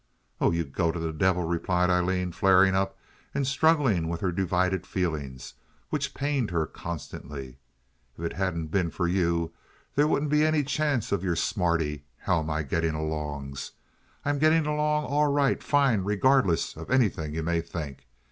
"Oh, you go to the devil!" replied Aileen, flaring up and struggling with her divided feelings, which pained her constantly. "If it hadn't been for you there wouldn't be any chance for your smarty 'how am I getting alongs.' I am getting along all right—fine—regardless of anything you may think.